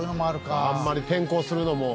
あんまり転校するのも。